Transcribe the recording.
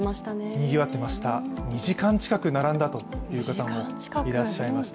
にぎわってました、２時間近く並んだという方もいらっしゃいました。